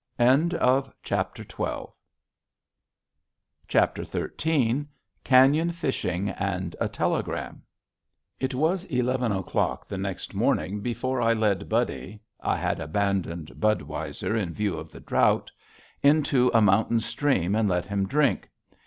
XIII CAÑON FISHING AND A TELEGRAM It was eleven o'clock the next morning before I led Buddy I had abandoned "Budweiser" in view of the drought into a mountain stream and let him drink.